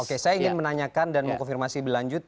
oke saya ingin menanyakan dan mengkonfirmasi berlanjut